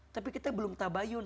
tapi kita belum tabayun